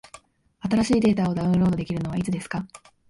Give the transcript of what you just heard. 新しいデータをダウンロードできるのはいつですか？